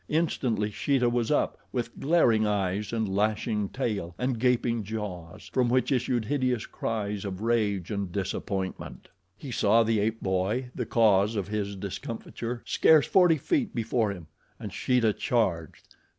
Instantly Sheeta was up with glaring eyes, and lashing tail, and gaping jaws, from which issued hideous cries of rage and disappointment. He saw the ape boy, the cause of his discomfiture, scarce forty feet before him, and Sheeta charged.